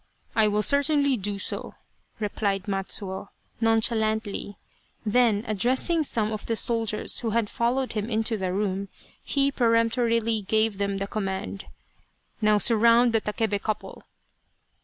" I will certainly do so," replied Matsuo, non chalantly, then, addressing some of the soldiers who had followed him into the room, he peremptorily gave them the command :" Now surround the Takebe couple